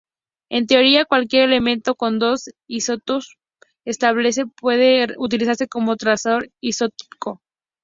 En teoría, cualquier elemento con dos isótopos estables puede utilizarse como trazador isotópico.